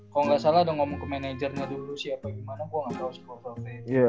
kalo ga salah udah ngomong ke managernya dulu siapa gimana gua ga tau sih kalo ga free